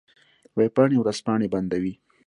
وېبپاڼې او ورځپاڼې بندوي.